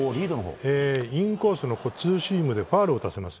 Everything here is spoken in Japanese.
インコースのツーシームでファウルを打たせます。